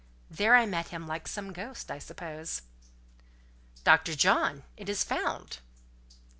There I met him, like some ghost, I suppose. "Dr. John! it is found."